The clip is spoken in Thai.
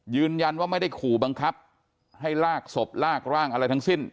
ยืนยันว่าไม่ได้ขู่บังคับให้ลากศพลากร่างอะไรทั้งสิ้น